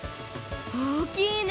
おおきいね！